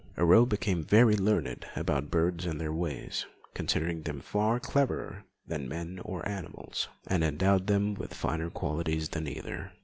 Aurore became very learned about birds and their ways, considering them far cleverer than men or animals, and endowed with finer qualities than either.